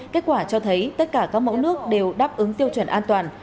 kết quả cho thấy tất cả các mẫu nước đều đáp ứng tiêu chuẩn an toàn